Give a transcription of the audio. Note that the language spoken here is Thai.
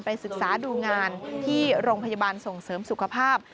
ศึกษาดูงานที่โรงพยาบาลส่งเสริมสุขภาพ